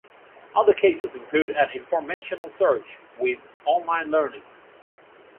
Other cases include an Informational search with online learning.